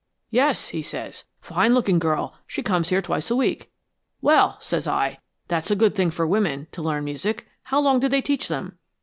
'" "'Yes,' he says, 'a fine looking girl. She comes here twice a week.'" "'Well,' says I, 'that's a good thing for women to learn music. How long do they teach them?'"